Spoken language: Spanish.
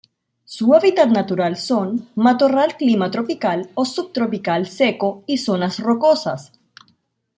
Su hábitat natural son: matorral clima tropical o subtropical seco y zonas rocosas.